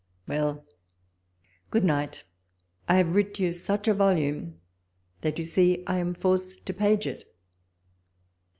Well, good night ; I have writ you such a volume, that you see I am forced to page it.